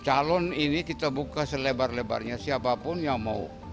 calon ini kita buka selebar lebarnya siapapun yang mau